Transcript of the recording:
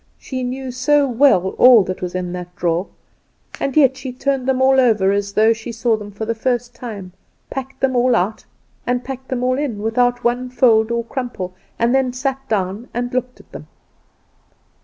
She knew so well all that was in that drawer, and yet she turned them all over as though she saw them for the first time, packed them all out, and packed them all in, without one fold or crumple; and then sat down and looked at them.